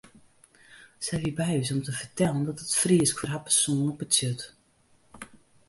Se wie by ús om te fertellen wat it Frysk foar har persoanlik betsjut.